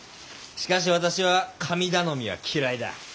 しかし私は神頼みは嫌いだ。